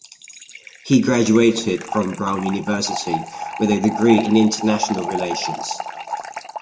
He graduated from Brown University with a degree in International Relations.